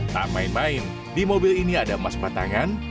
tak main main di mobil ini ada emas batangan